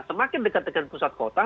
semakin dekat dekat pusat kota